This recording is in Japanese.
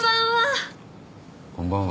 こんばんは！